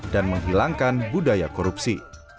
dan menghilangkan budaya korupsi